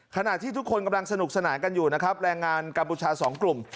ขณะที่ทุกคนกำลังสนุกสนานกันอยู่นะครับแรงงานกัมพูชา๒กลุ่ม